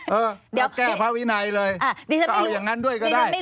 อยากแก้พระวินัยเลยก็เอาอย่างนั้นด้วยก็ได้